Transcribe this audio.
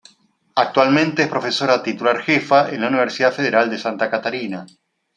Actualmente es profesora titular jefa, en la Universidad Federal de Santa Catarina.